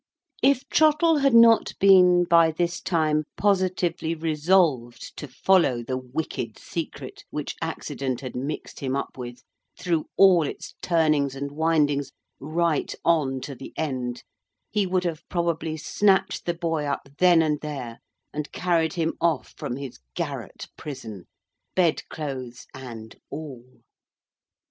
If Trottle had not been, by this time, positively resolved to follow the wicked secret which accident had mixed him up with, through all its turnings and windings, right on to the end, he would have probably snatched the boy up then and there, and carried him off from his garret prison, bed clothes and all.